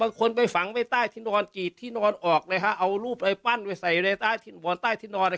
พรุ่งนี้แสดงว่าอย่างนี้คนที่มาเช่าห้องนี้อยู่